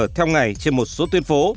theo ngày trên một số tuyến phố